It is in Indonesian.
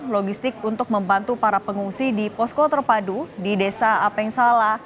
logistik untuk membantu para pengungsi di posko terpadu di desa apeng sala